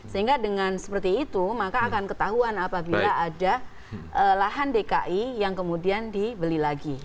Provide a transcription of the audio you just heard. sehingga dengan seperti itu maka akan ketahuan apabila ada lahan dki yang kemudian dibeli lagi